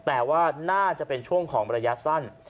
แต่ว่าน่าจะเป็นช่วงของระยะสั้น